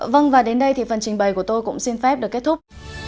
vâng và đến đây thì phần trình bày của tôi cũng xin phép được kết thúc